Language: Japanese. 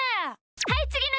はいつぎの